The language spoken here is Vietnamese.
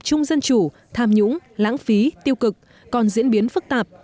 tình trạng dân chủ tham nhũng lãng phí tiêu cực còn diễn biến phức tạp